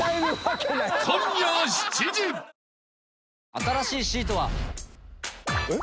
新しいシートは。えっ？